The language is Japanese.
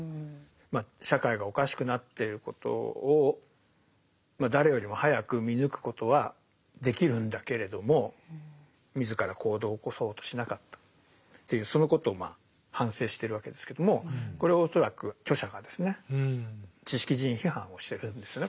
まあ社会がおかしくなってることを誰よりも早く見抜くことはできるんだけれども自ら行動を起こそうとしなかったっていうそのことをまあ反省してるわけですけどもこれは恐らく著者がですね知識人批判をしてるんですよね